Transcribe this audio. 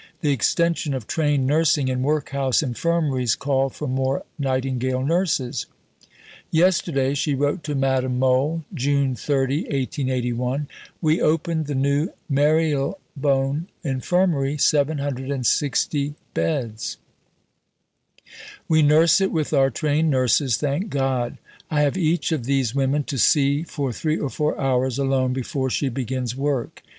The extension of trained nursing in workhouse infirmaries called for more Nightingale nurses. "Yesterday," she wrote to Madame Mohl (June 30, 1881), "we opened the new Marylebone Infirmary (760 beds). We nurse it with our trained nurses, thank God! I have each of these women to see for three or four hours alone before she begins work."